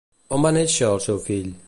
On va néixer el seu fill?